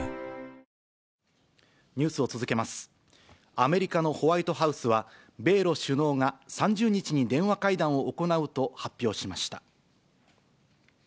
アメリカのホワイトハウスは、米ロ首脳が３０日に電話会談を行うと発表しました。